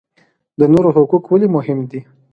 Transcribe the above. د نورو حقوق ولې مهم دي؟